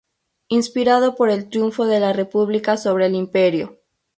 Inspirado por el triunfo de la República sobre el Imperio.